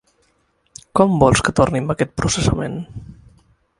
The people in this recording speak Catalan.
Com vols que torni amb aquest processament?